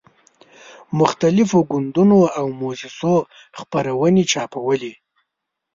مختلفو ګوندونو او موسسو خپرونې چاپولې.